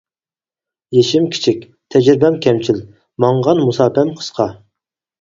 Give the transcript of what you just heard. يېشىم كىچىك، تەجرىبەم كەمچىل، ماڭغان مۇساپەم قىسقا.